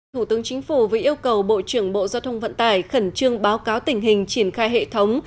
thủ tướng chính phủ vừa yêu cầu bộ trưởng bộ giao thông vận tải khẩn trương báo cáo tình hình triển khai hệ thống